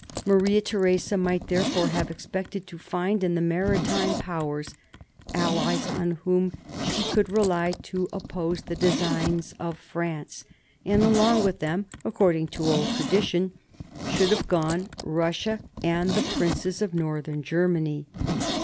Maria Theresa might therefore have expected to find in the Maritime Powers allies on whom she could rely to oppose the designs of France; and along with them, according to old tradition, should have gone Russia and the princes of Northern Germany.